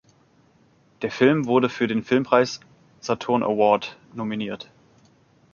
Der Film wurde für den Filmpreis Saturn Award nominiert.